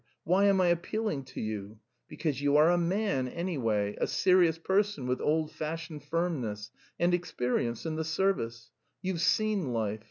Why am I appealing to you? Because you are a man, anyway, a serious person with old fashioned firmness and experience in the service. You've seen life.